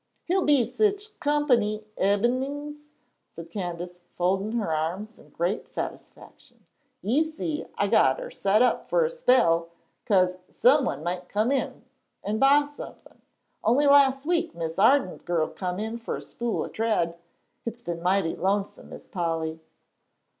"He'll be sech comp'ny ebenin's," said Candace, folding her arms in great satisfaction; "you see I gotter set up fer a spell, 'cause some one might come in an' buy somethin'. Only las' week an' Mis' Hardin's girl come in fer a spool o' tred. It's been mighty lonesome, Miss Polly."